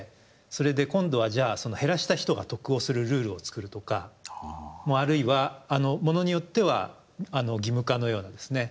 それで今度はじゃあ減らした人が得をするルールを作るとかあるいはものによっては義務化のようなですね